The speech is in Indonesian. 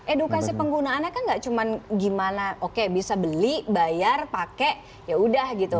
edukasi penggunaannya kan gak cuma gimana oke bisa beli bayar pakai yaudah gitu